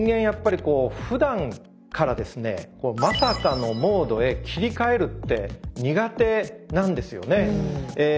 やっぱりこうふだんからですねまさかのモードへ切り替えるって苦手なんですよね。